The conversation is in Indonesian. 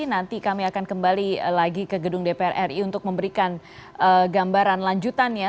nanti kami akan kembali lagi ke gedung dpr ri untuk memberikan gambaran lanjutannya